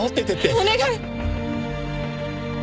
お願い！